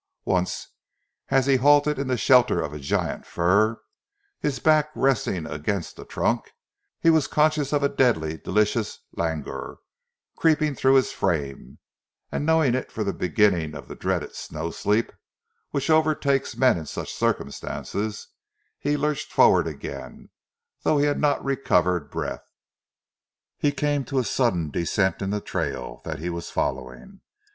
Once as he halted in the shelter of a giant fir, his back resting against the trunk, he was conscious of a deadly, delicious languor creeping through his frame, and knowing it for the beginning of the dreaded snow sleep which overtakes men in such circumstances, he lurched forward again, though he had not recovered breath. He came to a sudden descent in the trail that he was following.